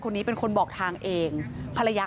กลับมารับทราบ